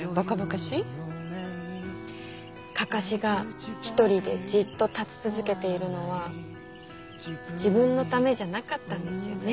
かかしが一人でじっと立ち続けているのは自分のためじゃなかったんですよね。